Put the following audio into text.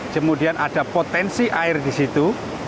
kemudian ada potensi air di situ